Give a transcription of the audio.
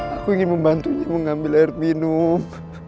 aku ingin membantunya mengambil air minum